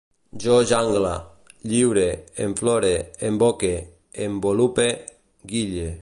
Jo jangle, lliure, enflore, emboque, envolupe, guille